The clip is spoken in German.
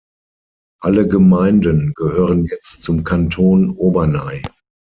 Alle Gemeinden gehören jetzt zum Kanton Obernai.